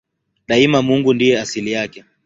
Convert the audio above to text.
Daima Mungu ndiye asili yake.